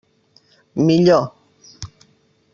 Millor.